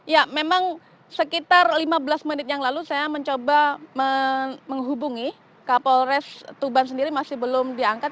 ya memang sekitar lima belas menit yang lalu saya mencoba menghubungi kapolres tuban sendiri masih belum diangkat